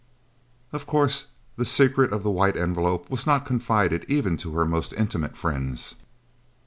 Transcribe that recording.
Of course the secret of the White Envelope was not confided even to her most intimate friends.